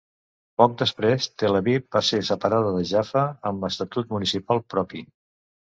Poc després Tel Aviv va ser separada de Jaffa amb estatut municipal propi.